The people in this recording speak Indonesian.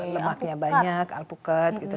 lemaknya banyak alpukat gitu